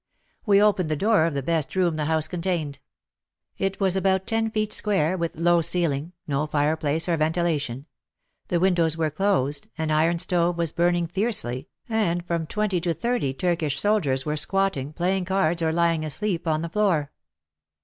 We opened the door of the best room the house contained. It was about ten feet square with low ceiling — no fireplace or ven tilation — the windows were closed, an iron stove was burning fiercely, and from twenty to thirty Turkish soldiers were squatting, playing cards or lying asleep, on the floor.